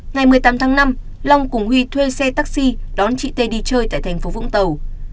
ngày một mươi tám tháng năm long cùng huy thuê xe taxi đón chị tê đi chơi tại thành phố vũng tàu